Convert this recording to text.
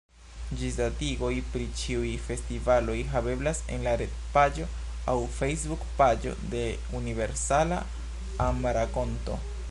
Ĝisdatigoj pri ĉiuj festivaloj haveblas en la retpaĝo aŭ Facebook-paĝo de Universala Amrakonto.